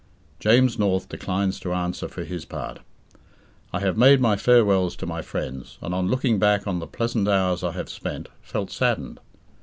James North declines to answer for his part. I have made my farewells to my friends, and on looking back on the pleasant hours I have spent, felt saddened.